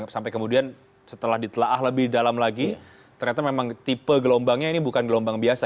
sampai kemudian setelah ditelaah lebih dalam lagi ternyata memang tipe gelombangnya ini bukan gelombang biasa